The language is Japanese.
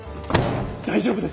大丈夫です！